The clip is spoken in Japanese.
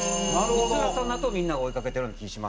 光浦さんのあとをみんなが追い掛けてるような気しますね。